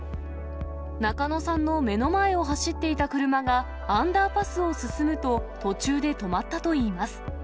中野さんの目の前を走っていた車が、アンダーパスを進むと、途中で止まったといいます。